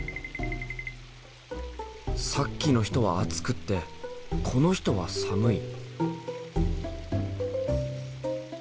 さっきの人は熱くってこの人は寒い。